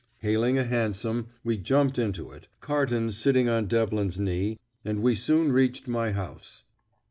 Hailing a hansom, we jumped into it. Carton sitting on Devlin's knee, and we soon reached my house.